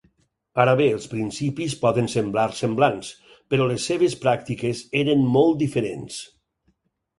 Ara bé, els principis poden semblar semblants, però les seves pràctiques eren molt diferents.